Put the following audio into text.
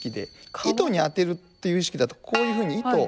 糸に当てるという意識だとこういうふうに糸。